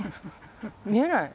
見えない？